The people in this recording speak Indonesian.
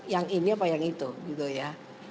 yang ini apa yang itu gitu ya